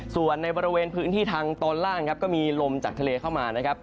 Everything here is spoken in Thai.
ส่วนในบริเวณพื้นที่ทางตอนล่างก็มีลมจากทะเลเข้ามา